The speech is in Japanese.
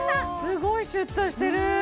すごいシュッとしてる！